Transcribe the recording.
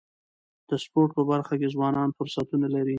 د سپورټ په برخه کي ځوانان فرصتونه لري.